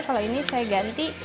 kalau ini saya ganti